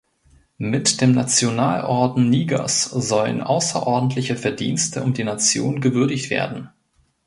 Mit dem Nationalorden Nigers sollen außerordentliche Verdienste um die Nation gewürdigt werden.